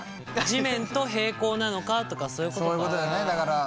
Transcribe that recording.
地面と平行なのかとかそういうことか。